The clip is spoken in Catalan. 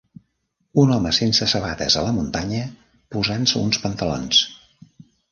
Un home sense sabates a la muntanya posant-se uns pantalons.